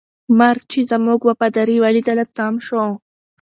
مرګ چې زموږ وفاداري ولیدله، تم شو.